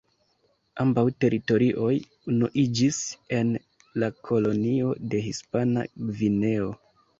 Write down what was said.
Ambaŭ teritorioj unuiĝis en la kolonio de Hispana Gvineo.